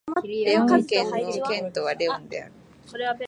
レオン県の県都はレオンである